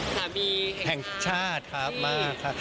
สามีแห่งชาติครับมากครับ